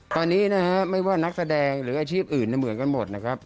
ตอนนี้นะฮะไม่ว่านักแสดงหรืออาชีพอื่นเหมือนกันหมดนะครับ